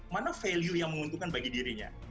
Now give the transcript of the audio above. mana value yang menguntungkan bagi dirinya